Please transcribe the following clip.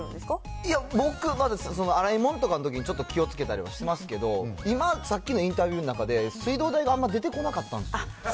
いや、僕、まだ洗い物とかのときに気をつけたりしますけど、今、さっきのインタビューの中で、水道代があんま出てこなかったんですよ。